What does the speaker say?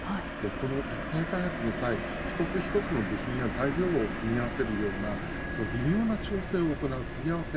この一体開発の際、一つ一つの部品や材料を組み合わせるような微妙な調整を行うすり合わせ